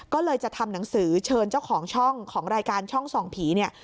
ก็เลยจะทำหนังสือเชิญเจ้าของช่องของรายการช่องส่องผีเนี่ย